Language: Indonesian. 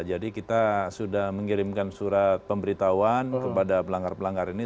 jadi kita sudah mengirimkan surat pemberitahuan kepada pelanggar pelanggar ini